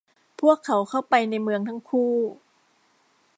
พวกเขาเข้าไปในเมืองทั้งคู่